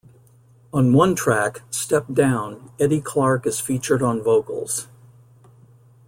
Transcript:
On one track, "Step Down," Eddie Clarke is featured on vocals.